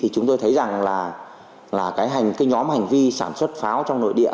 chúng tôi thấy rằng là nhóm hành vi sản xuất pháo trong nội địa